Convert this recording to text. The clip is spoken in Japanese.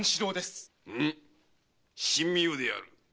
うむ神妙である。